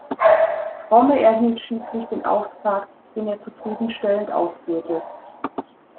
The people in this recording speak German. Fromme erhielt schließlich den Auftrag, den er zufriedenstellend ausführte.